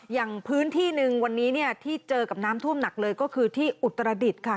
อย่างพื้นที่หนึ่งวันนี้เนี่ยที่เจอกับน้ำท่วมหนักเลยก็คือที่อุตรดิษฐ์ค่ะ